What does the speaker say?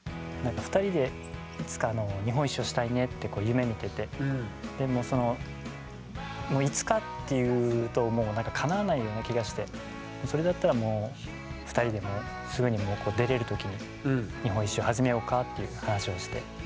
２人でいつか日本一周をしたいねって夢みててでもそのいつかって言うともうなんかかなわないような気がしてそれだったらもう２人ですぐに出れる時に日本一周始めようかっていう話をして。